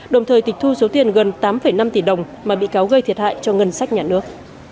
đồng thời tịch thu số tiền gần tám năm tỷ đồng mà bị cáo gây thiệt hại cho ngân sách nhà nước